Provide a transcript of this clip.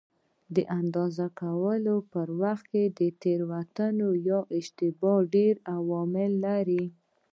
د اندازه کولو په وخت کې تېروتنه یا اشتباه ډېر عوامل لري.